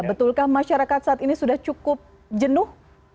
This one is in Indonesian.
betulkah masyarakat saat ini sudah cukup jenuh